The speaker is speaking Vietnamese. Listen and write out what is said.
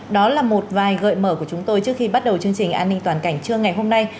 đó là một vài gợi mở của chúng tôi trước khi bắt đầu chương trình an ninh toàn cảnh trưa ngày hôm nay